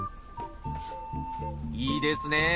いいですね！